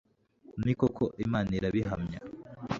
ni koko imana irabihamya